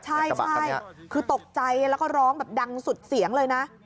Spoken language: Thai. ใช่คือตกใจแล้วก็ร้องแบบดังสุดเสียงเลยนะ